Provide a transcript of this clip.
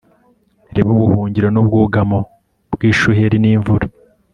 ribe ubuhungiro n'ubwugamo bw'ishuheri n'imvura